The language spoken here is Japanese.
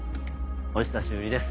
お久しぶりです